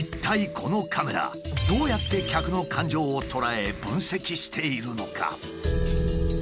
このカメラどうやって客の感情を捉え分析しているのか？